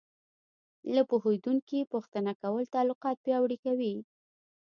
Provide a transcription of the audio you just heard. له پوهېدونکي پوښتنه کول تعلقات پیاوړي کوي.